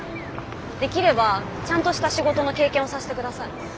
できればちゃんとした仕事の経験をさせてください。